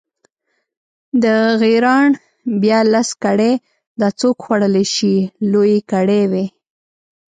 د غیراڼ بیا لس کړۍ، دا څوک خوړلی شي، لویې کړۍ وې.